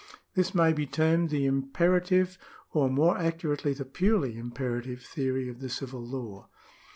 This may be termed the imperative or more accurately the purely imperative theory of the civil law.